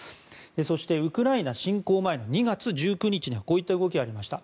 そしてウクライナ侵攻前の２月１９日にはこういったものがありました。